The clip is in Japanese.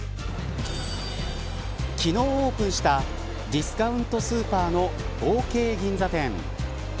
昨日、オープンしたディスカウントスーパーのオーケー銀座店。